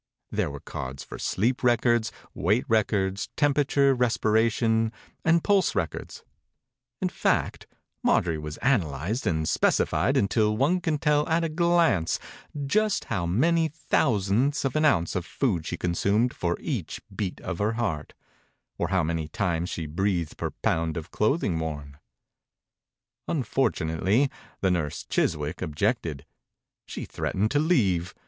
There were cards for sleep records, weight records, tem perature, respiration, and pulse 35 THE INCUBATOR BABY records — in fact Marjorie was analyzed and specified until one could tell at a glance just how many thousandths of an ounce of food she consumed for each beat of her heart, or how many times she breathed per pound of clothing worn. Unfortunately, the nurse, Chiswick, objected. She threat ened to leave.